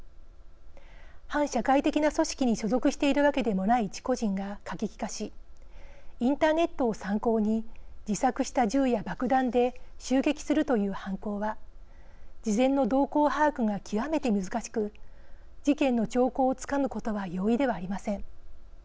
反社会的な組織に所属しているわけでもない一個人が過激化しインターネットを参考に自作した銃や爆弾で襲撃するという犯行は事前の動向把握が極めて難しく事件の兆候をつかむことは容易ではありません。